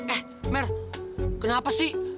eh mer kenapa sih